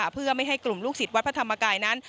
เพื่อไม่ให้กลุ่มลูกศิษย์วัดพระธรรมกายนั้น